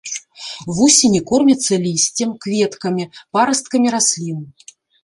Вусені кормяцца лісцем, кветкамі, парасткамі раслін.